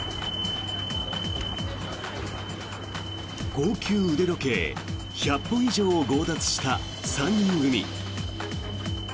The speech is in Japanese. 高級腕時計１００本以上を強奪した３人組。